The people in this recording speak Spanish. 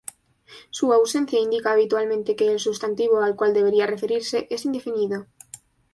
Su ausencia indica habitualmente que el sustantivo al cual debería referirse es indefinido.